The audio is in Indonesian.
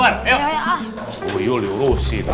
aku yul diurusin